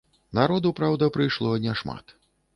Народу, праўда, прыйшло не шмат.